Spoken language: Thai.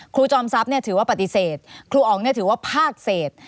ครูจอมทรัพย์เนี่ยถือว่าปฏิเสธครูอ๋องเนี่ยถือว่าภาคเสธ